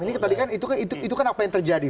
ini tadi kan itu kan apa yang terjadi